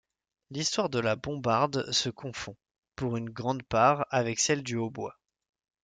L'histoire de la bombarde se confond, pour une grande part, avec celle du hautbois.